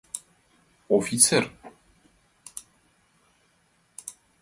Офицер.